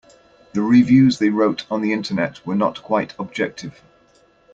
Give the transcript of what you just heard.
The reviews they wrote on the Internet were not quite objective.